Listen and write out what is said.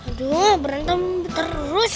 aduh berantem terus